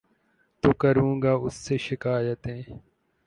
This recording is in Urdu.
تو کروں گا اُس سے شکائتیں